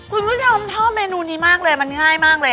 คุณผู้ชมชอบเมนูนี้มากเลยมันง่ายมากเลย